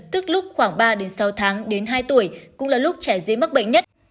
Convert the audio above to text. tức lúc khoảng ba đến sáu tháng đến hai tuổi cũng là lúc trẻ dễ mắc bệnh nhất